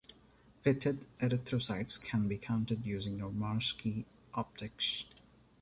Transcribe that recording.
Pitted erythrocytes can be counted using Normarsky optics.